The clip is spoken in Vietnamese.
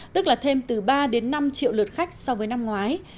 tức là thêm từ ba đến năm triệu lượt khách so với năm ngoái